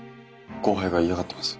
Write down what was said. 後輩が嫌がってます。